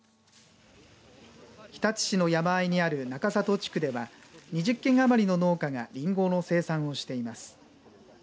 日立市の山あいにある中里地区では２０軒余りの農家がりんごの生産をしています。